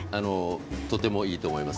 とてもいいと思います。